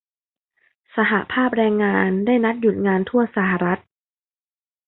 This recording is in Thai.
สหภาพแรงงานได้นัดหยุดงานทั่วสหรัฐ